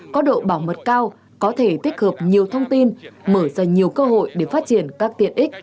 có độ bảo mật cao có thể tích hợp nhiều thông tin mở ra nhiều cơ hội để phát triển các tiện ích